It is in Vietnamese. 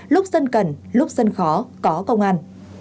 lúc dân cần lúc dân khó có công an